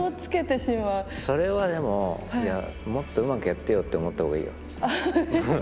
それはでももっとうまくやってよって思った方がいいよ。